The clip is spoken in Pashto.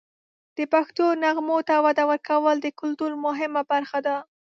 د پښتو نغمو ته وده ورکول د کلتور مهمه برخه ده.